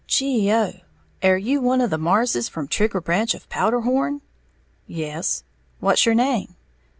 "Gee oh, air you one of the Marrses from Trigger Branch of Powderhorn?" "Yes." "What's your name?"